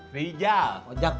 terima kasih mas